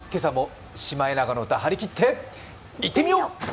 今朝もシマエナガの歌、張り切っていってみよう。